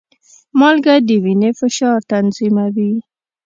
مالګه د وینې فشار تنظیموي.